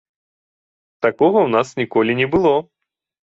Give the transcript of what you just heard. Такога ў нас ніколі не было.